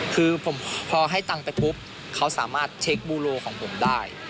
คือพอให้ตังค์ไปปุ๊บเขาสามารถเช็คบูโลของผมได้